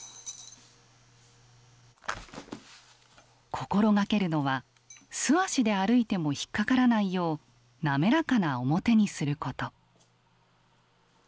心がけるのは素足で歩いても引っ掛からないよう滑らかな表にすること。